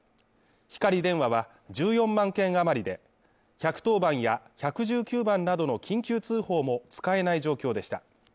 ひかり電話は１４万件余りで１１０番や１１９番などの緊急通報も使えない状況でした。